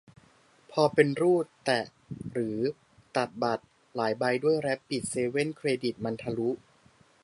พอเป็นรูด แตะ หรือตัดบัตร หลายใบด้วย แรบบิต เซเว่น เครดิต มันทะลุ